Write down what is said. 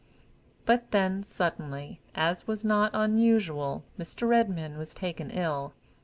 But then, suddenly, as was not unusual, Mr. Redmain was taken ill.